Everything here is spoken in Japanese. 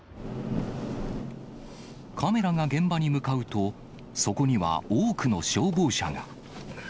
カメラが現場に向かうと、そこには多くの消防車が。